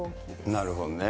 なるほどね。